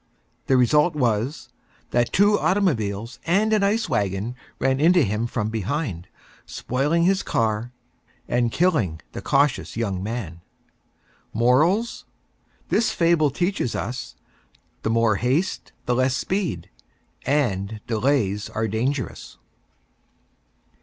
The Result was, that Two Automobiles and an Ice Wagon ran into him from behind, spoiling his Car and Killing the Cautious Young Man. MORALS: This Fable teaches Us, The More Haste The Less Speed, and Delays Are Dangerous.